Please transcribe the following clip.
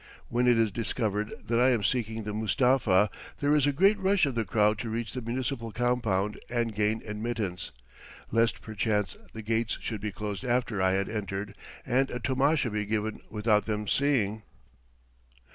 When it is discovered that I am seeking the Mustapha, there is a great rush of the crowd to reach the municipal compound and gain admittance, lest perchance the gates should be closed after I had entered and a tomasha be given without them seeing.